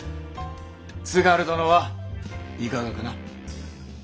津軽殿はいかがかな？